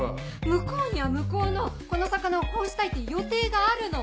向こうには向こうのこの魚をこうしたいっていう予定があるの！